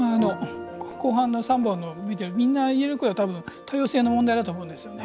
後半の３本のＶＴＲ、みんな言えることは多様性の問題だと思うんですね。